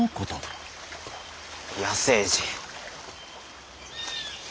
野生児。